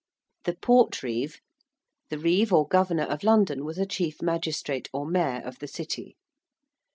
~The Portreeve~: the reeve or governor of London was a chief magistrate or mayor of the City.